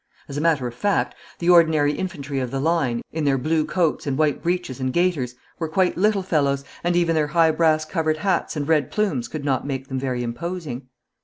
As a matter of fact, the ordinary infantry of the line, in their blue coats and white breeches and gaiters, were quite little fellows, and even their high brass covered hats and red plumes could not make them very imposing.